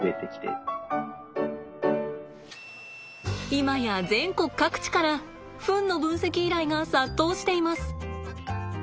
今や全国各地からフンの分析依頼が殺到しています。